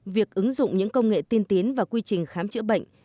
việc ứng dụng những công nghệ tiên tiến và quy trình khám chữa bệnh